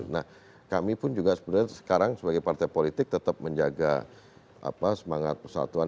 nah kami pun juga sebenarnya sekarang sebagai partai politik tetap menjaga semangat persatuan